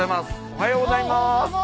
おはようございます！